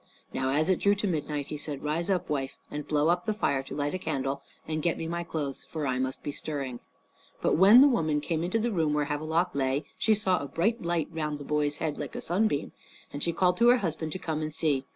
Now as it drew to midnight he said, "Rise up, wife, and blow up the fire to light a candle, and get me my clothes, for I must be stirring." But when the woman came into the room where Havelok lay, she saw a bright light round the boy's head, like a sunbeam, and she called to her husband to come and see.